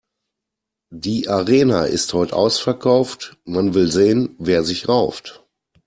Die Arena ist heut' ausverkauft, man will sehen, wer sich rauft.